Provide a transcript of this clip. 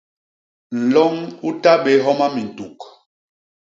Nloñ u ta bé homa mintuk.